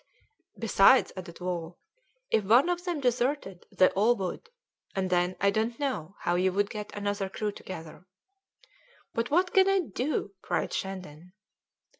"Besides," added Wall, "if one of them deserted they all would, and then I don't know how you would get another crew together." "But what can I do?" cried Shandon.